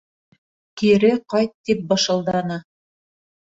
— Кире ҡайт! — тип бышылданы.